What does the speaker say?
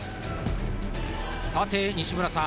さて西村さん